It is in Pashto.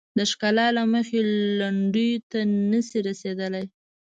د ښکلا له مخې لنډیو ته نه شي رسیدلای.